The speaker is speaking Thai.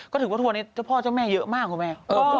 ก็ถึงว่าทัวร์นี้เจ้าพ่อเจ้าแม่เยอะมากหรือไหม